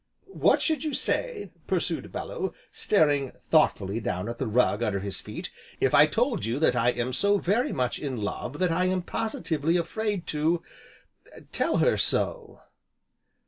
"What should you say," pursued Bellew, staring thoughtfully down at the rug under his feet, "if I told you that I am so very much, in love that I am positively afraid to tell her so?"